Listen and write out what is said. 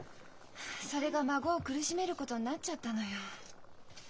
それが孫を苦しめることになっちゃったのよ。